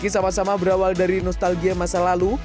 sama sama berawal dari nostalgia masa lalu